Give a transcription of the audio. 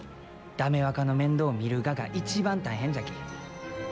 駄目若の面倒を見るがが一番大変じゃき。